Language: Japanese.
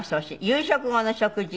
「夕食後の食事」